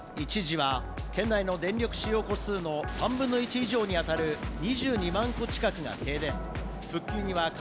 一時は県内の電力使用戸数の３分の１以上にあたる２２万戸近くが停電。